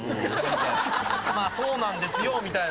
「そうなんですよ」みたいな。